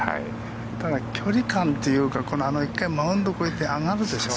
距離感というか１回マウンドを越えて上がるでしょ。